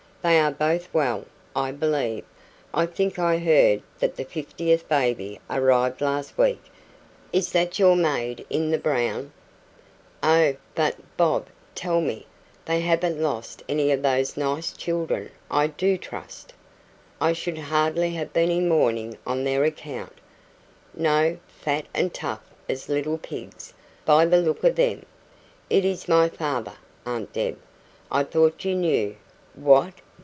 "They are both well, I believe. I think I heard that the fiftieth baby arrived last week. Is that your maid in the brown " "Oh, but, Bob tell me they haven't lost any of those nice children, I do trust!" "I should hardly have been in mourning on their account. No fat and tough as little pigs, by the look of them. It is my father, Aunt Deb. I thought you knew." "What!"